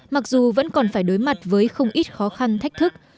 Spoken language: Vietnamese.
mặc dù vẫn còn phải đối mặt với không ít khó khăn thách thức